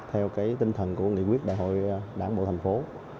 theo tinh thần của nghị quyết đại hội đảng bộ thành phố